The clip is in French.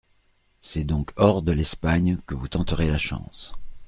C'est donc hors de l'Espagne que vous tenterez la chance.